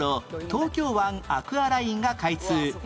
東京湾アクアラインが開通